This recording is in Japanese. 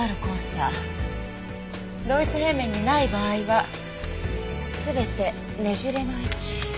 同一平面にない場合は全てねじれの位置。